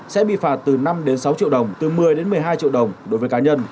sẽ bị phạt từ năm sáu triệu đồng từ một mươi đến một mươi hai triệu đồng đối với cá nhân